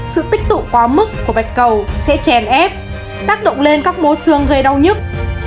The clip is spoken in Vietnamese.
sự tích tụ quá mức của bạch cầu sẽ chèn ép tác động lên các mô xương gây đau nhức